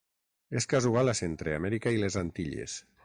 És casual a Centreamèrica i les Antilles.